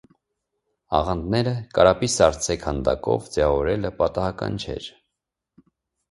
Աղանդերը կարապի սառցե քանդակով ձևավորելը պատահական չէր։